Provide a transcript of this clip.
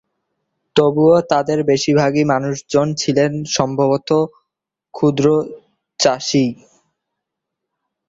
তবুও তাদের বেশিরভাগই মানুষজন ছিলেন সম্ভবত ক্ষুদ্র চাষীই।